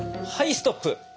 はいストップ。